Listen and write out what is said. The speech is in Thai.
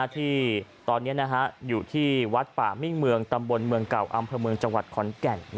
ที่ตอนนี้อยู่ที่วัดป่ามิ่งเมืองตำบลเมืองเก่าอำเภอเมืองจังหวัดขอนแก่น